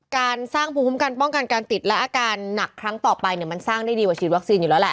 การสร้างภูมิคุ้มกันป้องกันการติดและอาการหนักครั้งต่อไปเนี่ยมันสร้างได้ดีกว่าฉีดวัคซีนอยู่แล้วแหละ